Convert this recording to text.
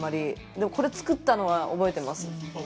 でも、これ作ったのは覚えてます。